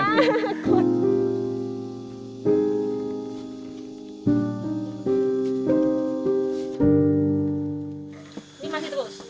ini masih terus